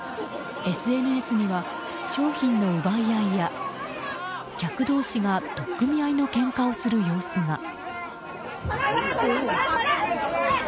ＳＮＳには、商品の奪い合いや客同士が取っ組み合いのけんかをする様子が。